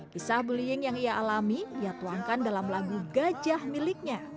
kisah bullying yang ia alami ia tuangkan dalam lagu gajah miliknya